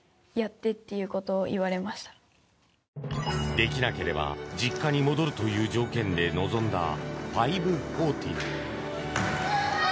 できなければ実家に戻るという条件で臨んだ５４０。